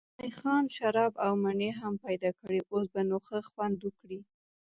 زلمی خان شراب او مڼې هم پیدا کړې، اوس به نو ښه خوند وکړي.